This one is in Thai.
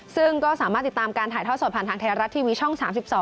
ซึ่งก็สามารถติดตามการถ่ายทอดสดผ่านทางไทยรัฐทีวีช่อง๓๒